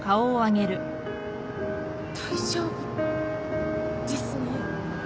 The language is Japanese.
大丈夫ですね。